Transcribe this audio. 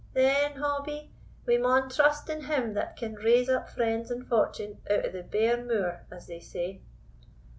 "Then, Hobbie, me maun trust in Him that can raise up friends and fortune out o' the bare moor, as they say."